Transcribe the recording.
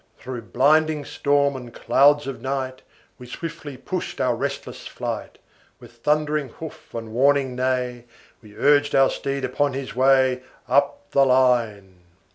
Through blinding storm and clouds of night, We swiftly pushed our restless flight; With thundering hoof and warning neigh, We urged our steed upon his way Up the line.